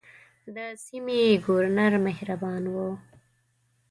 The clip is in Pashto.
د سیمې ګورنر مهربان وو.